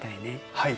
はい。